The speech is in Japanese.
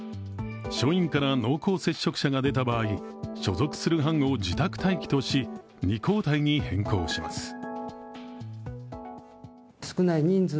署員から濃厚接触者が出た場合、所属する班を自宅待機とし、２交代に変更します。